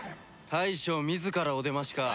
大将自らお出ましか。